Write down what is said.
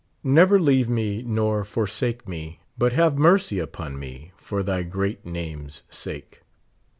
Never leave me nor forsake me, but have mercy upon me for thy great name's sake.